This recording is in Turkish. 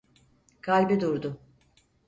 Kalbi durdu.